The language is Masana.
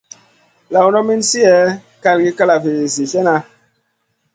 Lawn min slihè kalgi kalavi zi slena.